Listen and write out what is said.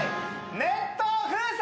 熱湯風船！